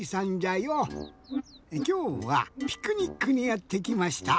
きょうはピクニックにやってきました。